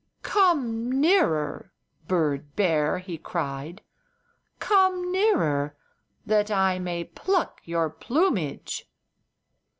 "Come nearer, bird bear!" he cried. "Come nearer, that I may pluck your plumage!"